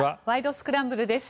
スクランブル」です。